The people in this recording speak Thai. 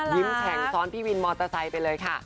แข็งซ้อนพี่วินมอเตอร์ไซค์ไปเลยค่ะ